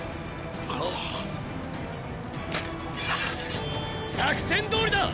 あ！作戦どおりだ！